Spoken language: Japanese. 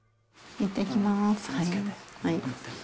いってきます。